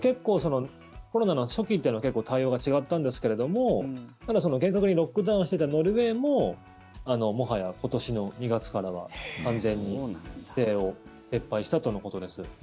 コロナの初期っていうのは対応が違ったんですけれどもただ厳格にロックダウンしていたノルウェーももはや今年の２月からは完全に規制を撤廃したとのことです。